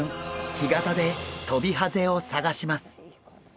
干潟でトビハゼを探します。